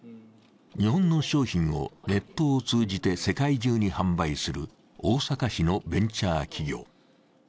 日本の商品をネットを通じて世界中に販売する大阪市のベンチャー企業。